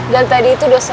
dan tadi itu udah berakhir